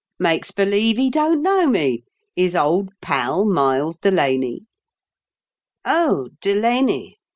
"Makes believe he don't know me ! His old pal. Miles Delaney." " Oh, Delaney